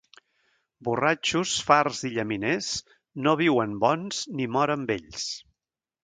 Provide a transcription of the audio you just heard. Borratxos, farts i llaminers, no viuen bons ni moren vells.